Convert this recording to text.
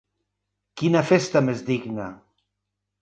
Quina festa més digna!